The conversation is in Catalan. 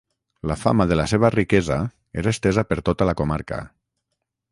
La fama de la seva riquesa era estesa per tota la comarca.